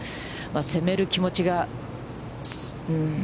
攻める気持ちがうーん。